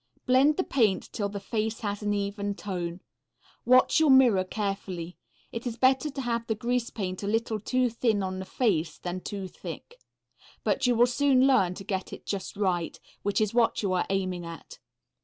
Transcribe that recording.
Blend the paint till the face has an even tone. Watch your mirror carefully. It is better to have the grease paint a little too thin on the face than too thick, but you will soon learn to get it just right, which is what you are aiming at.